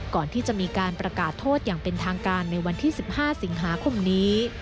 ก่อนที่จะมีการประกาศโทษอย่างเป็นทางการในวันที่๑๕สิงหาคมนี้